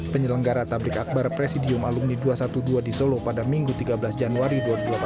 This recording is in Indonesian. penyelenggara tablik akbar presidium alumni dua ratus dua belas di solo pada minggu tiga belas januari dua ribu delapan belas